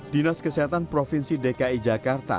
dinas kesehatan provinsi dki jakarta